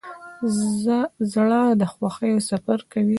زړه د خوښیو سفر کوي.